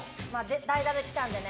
代打で来たのでね